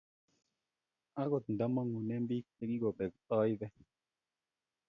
agot nda mangune biik chegikobeek aibe